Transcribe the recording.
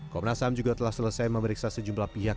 komnas ham juga telah selesai memeriksa sejumlah pihak